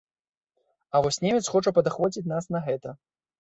А вось немец хоча падахвоціць нас на гэта.